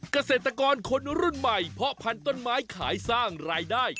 เกษตรกรคนรุ่นใหม่เพาะพันธุ์ต้นไม้ขายสร้างรายได้